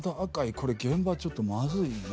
これ現場ちょっとまずいな。